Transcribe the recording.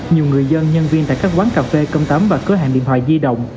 nhiều người dân nhân viên tại các quán cà phê công tấm và cửa hàng điện thoại di động